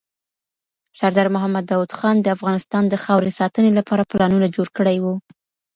سردار محمد داود خان د افغانستان د خاورې ساتنې لپاره پلانونه جوړ کړي وو.